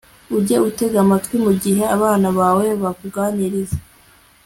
ujye utega amatwi mu gihe abana bawe bakuganiriza